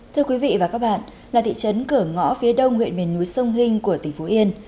thưa quý vị và các bạn là thị trấn cửa ngõ phía đông huyện miền núi sông hinh của tỉnh phú yên